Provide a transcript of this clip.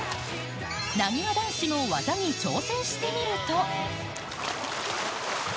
なにわ男子も技に挑戦してみると。